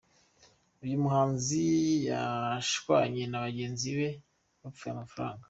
Uyu muhanzi yashwanye na bagenzi be bapfuye amafaranga.